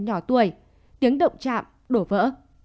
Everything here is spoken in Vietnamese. nhỏ tuổi tiếng động chạm đổ vỡ